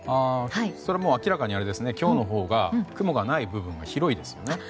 それはもう、明らかに今日のほうが雲がない部分が広いですよね。